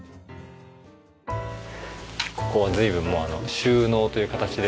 ここは随分もう収納という形で。